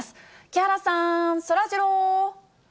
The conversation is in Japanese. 木原さん、そらジロー。